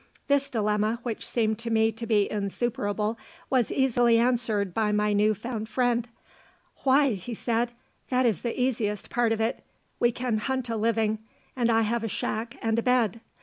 This dilemma, which seemed to me to be insuperable, was easily answered by my new found friend. "Why," he said, "That is the easiest part of it. We can hunt a living, and I have a shack and a bed."